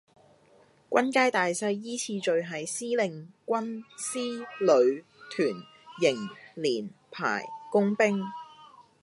軍階大細依次序係司令,軍,師,旅,團,營,連,排,工兵